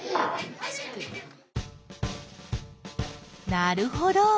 なるほど。